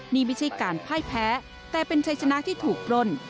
นี่ไม่ใช่การพ่ายแพ้แต่เป็นชัยชนะที่ถูกปล้น